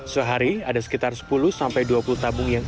sehari ada sekitar sepuluh dua puluh tabung yang isi ulang